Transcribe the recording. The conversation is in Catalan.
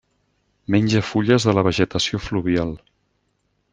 Menja fulles de la vegetació fluvial.